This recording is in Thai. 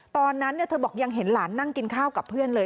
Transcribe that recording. ตอนนั้นเธอบอกยังเห็นหลานนั่งกินข้าวกับเพื่อนเลย